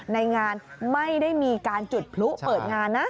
ในงานไม่ได้มีการจุดพลุเปิดงานนะ